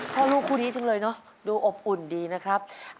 พ่อลูกคู่นี้จังเลยเนอะดูอบอุ่นดีนะครับ